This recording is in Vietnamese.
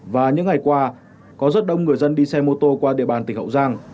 và những ngày qua có rất đông người dân đi xe mô tô qua địa bàn tỉnh hậu giang